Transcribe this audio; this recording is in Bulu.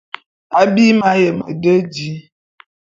Abim m'ayem nde di.